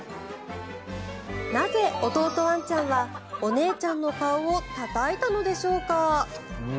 なぜ弟ワンちゃんはお姉ちゃんの顔をたたいたのでしょうか。